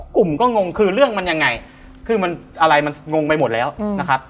กลุ่มก็งงคือเรื่องมันยังไงคือมันอะไรมันงงไปหมดแล้วนะครับ